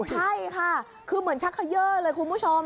ใช่ค่ะคือเหมือนชักเขย่อเลยคุณผู้ชม